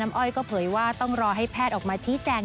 อ้อยก็เผยว่าต้องรอให้แพทย์ออกมาชี้แจง